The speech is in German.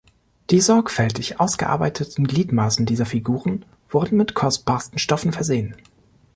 Die sorgfältig ausgearbeiteten Gliedmaßen dieser Figuren wurden mit kostbarsten Stoffen versehen.